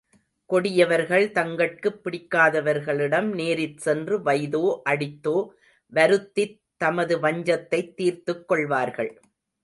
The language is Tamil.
கொடியவர்கள் தங்கட்குப் பிடிக்காதவர்களிடம் நேரிற் சென்று வைதோ, அடித்தோ, வருத்தித் தமது வஞ்சத்தைத் தீர்த்துக்கொள்வார்கள்.